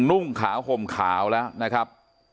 นุ่งขาวห่มขาวแล้วนะครับ